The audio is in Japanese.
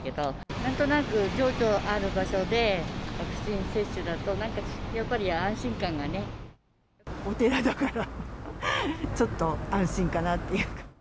なんとなく情緒ある場所で、ワクチン接種だと、なんかやっぱお寺だからちょっと安心かなっていうか。